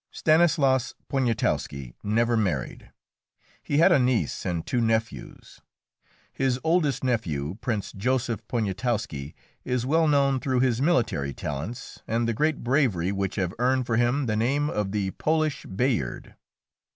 Stanislaus Poniatowski never married; he had a niece and two nephews. His oldest nephew, Prince Joseph Poniatowski, is well known through his military talents and the great bravery which have earned for him the name of the "Polish Bayard."